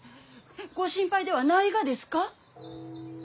ご心配ではないがですか？